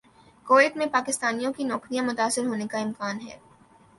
Kuwait میں پاکستانیوں کی نوکریاں متاثر ہونے کا امکان ہے